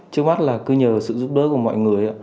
trước mắt là cứ nhờ sự giúp đỡ của mọi người